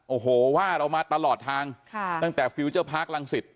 โอ้โหว่าเรามาตลอดทางค่ะตั้งแต่ฟิลเจอร์พาร์คลังศิษย